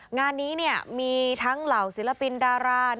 งานนี้เนี่ยมีทั้งเหล่าศิลปินดารานักร้อง